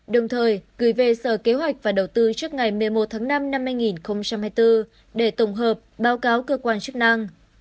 đồng thời gửi về sở kế hoạch và đầu tư trước ngày một mươi một tháng năm năm hai nghìn hai mươi bốn để tổng hợp báo cáo cơ quan chức năng